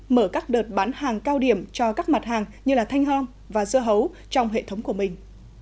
mở các đợt bán hàng cao điểm cho các mặt hàng như thanh hom và dưa hấu trong hệ thống của mình